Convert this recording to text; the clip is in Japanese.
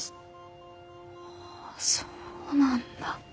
ああそうなんだ。